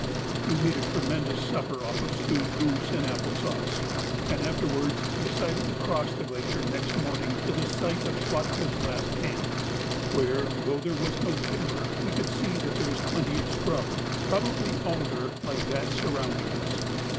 We made a tremendous supper off stewed goose and apple sauce, and afterwards decided to cross the glacier next morning to the site of Schwatka's last camp, where, though there was no timber, we could see that there was plenty of scrub, probably alder, like that surrounding us.